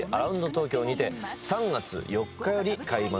東京にて３月４日より開幕いたします